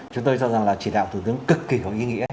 chúng tôi cho rằng là chỉ đạo của thủ tướng cực kỳ có ý nghĩa